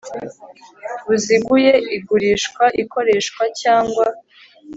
Buziguye igurishwa ikoreshwa cyangwa